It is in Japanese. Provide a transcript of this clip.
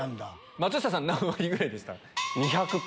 松下さん何割ぐらいでした？